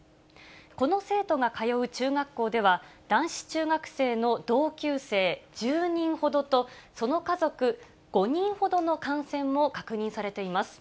この生徒が通う中学校では、男子中学生の同級生１０人ほどと、その家族５人ほどの感染も確認されています。